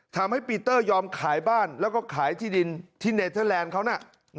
ทำให้ปีเตอร์ยอมขายบ้านแล้วก็ขายที่ดินที่เนเทอร์แลนด์เขาน่ะ